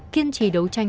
kiên trì đấu tranh